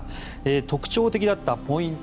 特徴的だったポイント